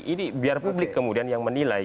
ini biar publik kemudian yang menilai